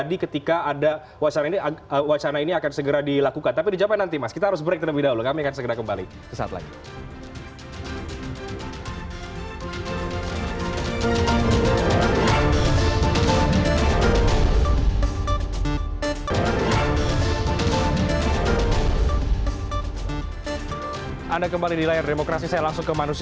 ini kan harus dilindungi